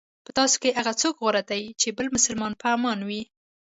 په تاسو کې هغه څوک غوره دی چې بل مسلمان په امان وي.